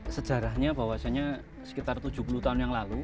sejarahnya bahwasannya sekitar tujuh puluh tahun yang lalu